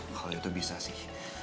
ya kalau itu bisa sih